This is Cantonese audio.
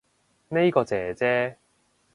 呢個姐姐